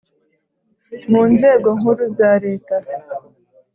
mu Nzego Nkuru za Leta